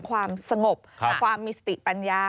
ความสงบความมีสติปัญญา